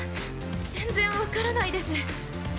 全然分からないです。